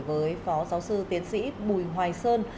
với phó giáo sư tiến sĩ bùi hoài sơn